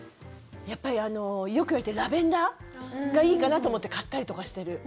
やっぱりよくいわれているラベンダーがいいかなと思って買ったりとかしてる。